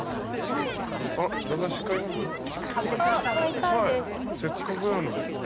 はいせっかくなんで。